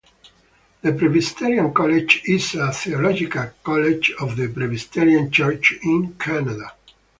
The Presbyterian College is a theological College of The Presbyterian Church in Canada.